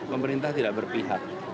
pemerintah tidak berpihak